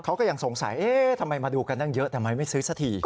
เขาก็ยังสงสัยเอ๊ะทำไมมาดูกันตั้งเยอะทำไมไม่ซื้อสักที